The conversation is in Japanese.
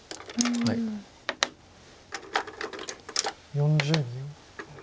４０秒。